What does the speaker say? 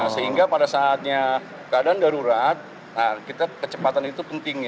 sehingga pada saatnya keadaan darurat kita kecepatan itu penting